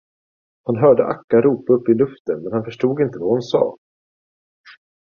Han hörde Akka ropa uppe i luften men han förstod inte vad hon sade.